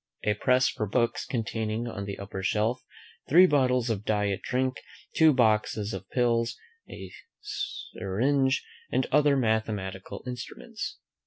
A press for books; containing on the upper shelf Three bottles of diet drink. Two boxes of pills. A syringe, and other mathematical instruments.